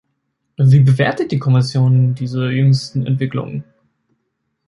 Wie bewertet die Kommission diese jüngsten Entwicklungen?